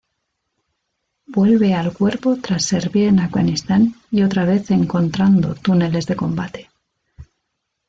Vuelve al cuerpo tras servir en Afganistán y otra vez encontrando túneles de combate.